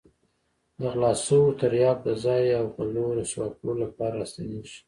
د غلا شوو تریاکو د ځای او غلو رسوا کولو لپاره را ستنېږي.